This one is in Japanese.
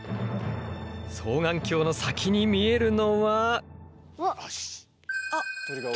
双眼鏡の先に見えるのは。